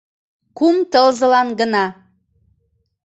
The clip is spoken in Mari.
Кум тылзылан гына.